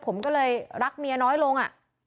ผมก็เลยรักเมียน้อยลง